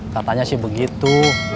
katanya sih begitu